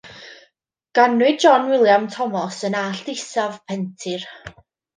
Ganwyd John William Thomas yn Allt Isaf, Pentir.